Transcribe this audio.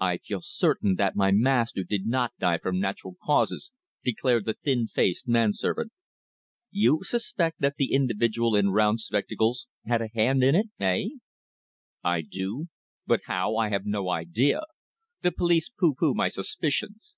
"I feel certain that my master did not die from natural causes," declared the thin faced man servant. "You suspect that the individual in round spectacles had a hand in it eh?" "I do. But how, I have no idea. The police pooh pooh my suspicions.